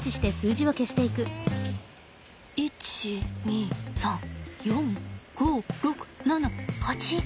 １２３４５６７８。